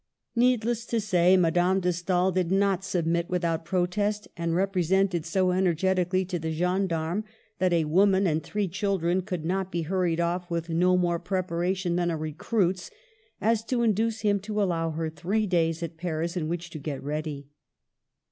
Needless to say, Madame de Stael did not sub mit without protest, and represented so energet ically to the gendarme that a woman and three children could not be hurried off with no more preparation than a recruit's, as to induce him to allow her three days at Paris in which to get ready.